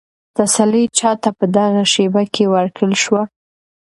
تسلي چا ته په دغه شېبه کې ورکړل شوه؟